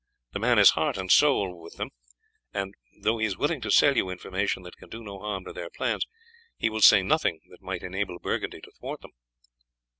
The man is heart and soul with them, and though he is willing to sell you information that can do no harm to their plans, he will say nothing that might enable Burgundy to thwart them."